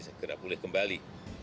segera boleh kembali